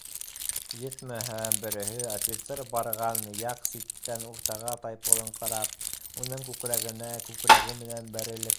Етмәһә, береһе, офицер барған яҡ ситтән уртаға тайпылыңҡырап, уның күкрәгенә күкрәге менән бәрелеп: